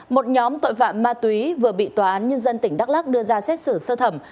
một nhóm tội phạm ma túy vừa bị tòa án nhân dân tỉnh đắk lắc đưa ra xét xử sơ thẩm